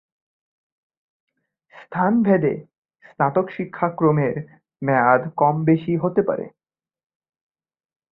স্থানভেদে স্নাতক শিক্ষাক্রমের মেয়াদ কম-বেশি হতে পারে।